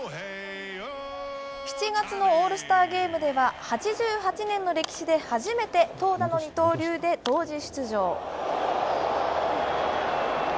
７月のオールスターゲームでは、８８年の歴史で初めて、投打の二刀流で同時出場。